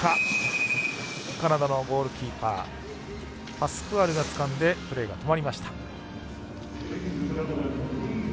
カナダのゴールキーパーパスクアルがつかんでプレーが止まりました。